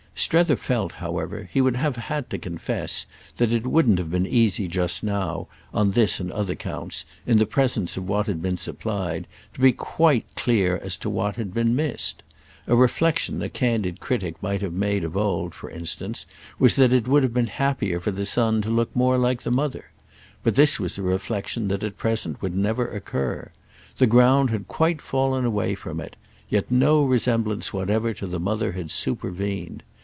Strether felt, however, he would have had to confess, that it wouldn't have been easy just now, on this and other counts, in the presence of what had been supplied, to be quite clear as to what had been missed. A reflexion a candid critic might have made of old, for instance, was that it would have been happier for the son to look more like the mother; but this was a reflexion that at present would never occur. The ground had quite fallen away from it, yet no resemblance whatever to the mother had supervened.